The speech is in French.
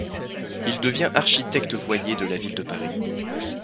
Il devient architecte-voyer de la ville de Paris.